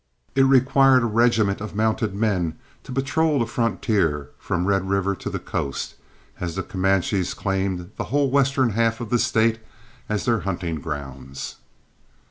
It required a regiment of mounted men to patrol the frontier from Red River to the coast, as the Comanches claimed the whole western half of the State as their hunting grounds.